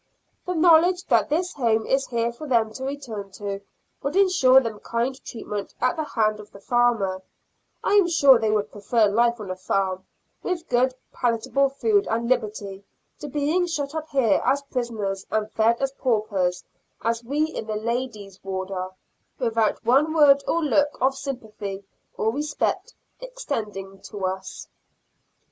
The knowledge that this home is here for them to return to, would ensure them kind treatment at the hand of the farmer, and I am sure they would prefer life on a farm, with good palatable food and liberty, to being shut up here as prisoners and fed as paupers, as we in the ladies' ward are, without one word or look of sympathy or respect extended to us.